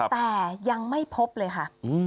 แต่ยังไม่พบเลยค่ะ